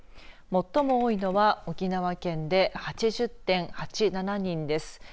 最も多いのは沖縄県で８０．８７人です。